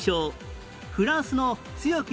フランスの強き